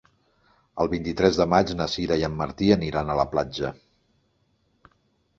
El vint-i-tres de maig na Sira i en Martí aniran a la platja.